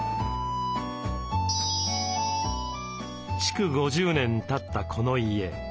築５０年たったこの家。